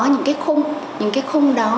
những cái khung những cái khung đó